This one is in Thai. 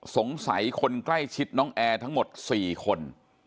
สงสัยคนใกล้ชิดน้องแอร์ทั้งหมด๔คน